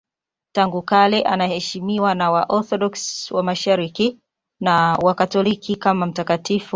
Tangu kale anaheshimiwa na Waorthodoksi wa Mashariki na Wakatoliki kama mtakatifu.